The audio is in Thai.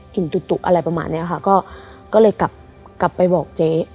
กลิ่นตุ๊ดตุ๊ดอะไรประมาณเนี้ยค่ะก็ก็เลยกลับกลับไปบอกเจ๊